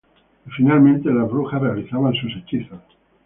Y finalmente, las brujas realizaban sus hechizos.